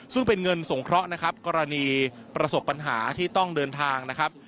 ซึ่งเป็นเงินสงเคราะห์นะครับกรณีประสบปัญหาที่ต้องเดินทางนะครับ